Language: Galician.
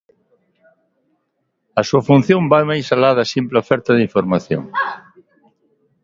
A súa función vai máis alá da simple oferta de información.